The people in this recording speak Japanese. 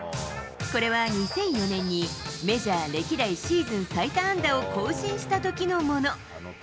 これは２００４年に、メジャー歴代シーズン最多安打を更新したときのもの。